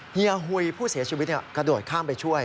เฮียหุยผู้เสียชีวิตกระโดดข้ามไปช่วย